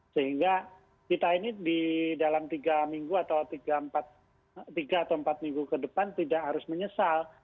sehingga kita ini di dalam tiga minggu atau tiga atau empat minggu ke depan tidak harus menyesal